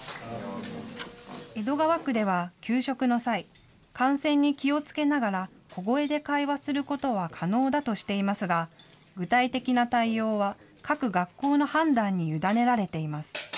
江戸川区では給食の際、感染に気をつけながら、小声で会話することは可能だとしていますが、具体的な対応は各学校の判断に委ねられています。